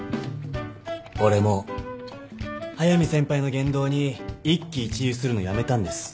俺もう速見先輩の言動に一喜一憂するのやめたんです。